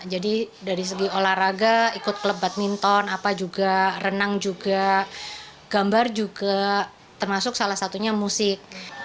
jadi dari segi olahraga ikut klub badminton renang juga gambar juga termasuk salah satunya musik